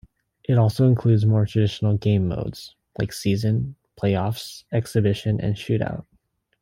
It also includes more traditional game modes like season, playoffs, exhibition and shootout.